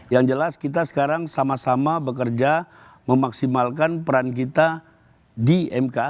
yang jelas kita sekarang sama sama bekerja memaksimalkan peran kita di mk